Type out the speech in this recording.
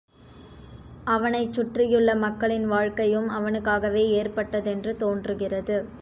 அவனைச் சுற்றியுள்ள மக்களின் வாழ்க்கையும் அவனுக்காகவே ஏற்பட்டதென்று தோன்றுகிறது.